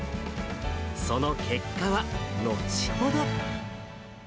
その結果は、後ほど。